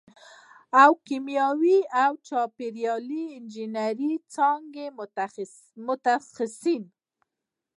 او د کیمیاوي او چاپېریالي انجینرۍ څانګې متخصصین